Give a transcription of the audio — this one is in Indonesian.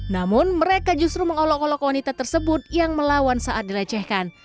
namun mereka justru mengolok olok wanita tersebut yang melawan saat dilecehkan